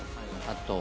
あと。